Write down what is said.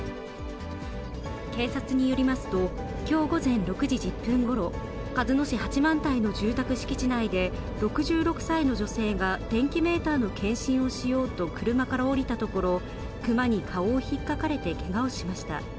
警察によりますと、きょう午前６時１０分ごろ、鹿角市八幡平の住宅敷地内で、６６歳の女性が電気メーターを検針をしようと車から降りたところ、熊に顔をひっかかれてけがをしました。